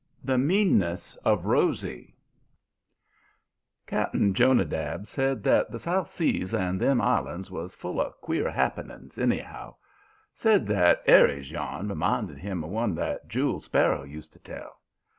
THE MEANNESS OF ROSY Cap'n Jonadab said that the South Seas and them islands was full of queer happenings, anyhow. Said that Eri's yarn reminded him of one that Jule Sparrow used to tell.